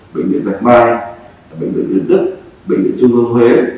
bệnh viện bạch mai bệnh viện yên đức bệnh viện trung ương huế